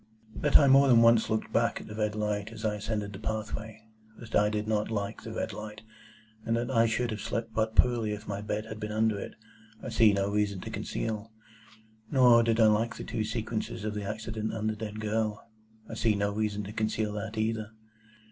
That I more than once looked back at the red light as I ascended the pathway, that I did not like the red light, and that I should have slept but poorly if my bed had been under it, I see no reason to conceal. Nor did I like the two sequences of the accident and the dead girl. I see no reason to conceal that either.